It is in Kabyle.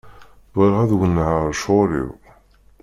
Bɣiɣ ad wennɛeɣ lecɣal-iw.